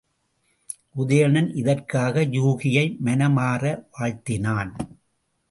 உதயணன் இதற்காக யூகியை மனமாற வாழ்த்தினான்.